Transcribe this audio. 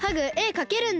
かけるんだ？